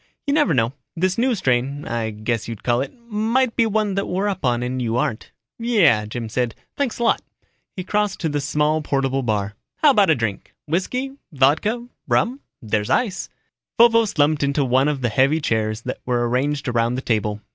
You never know, this new strain I guess you'd call it might be one that we're up on and you aren't." "Yeah," Jim said. "Thanks a lot." He crossed to the small portable bar. "How about a drink? Whisky, vodka, rum there's ice." Vovo slumped into one of the heavy chairs that were arranged around the table.